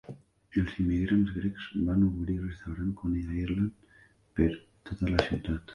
Els immigrants grecs van obrir restaurants Coney Island per tota la ciutat.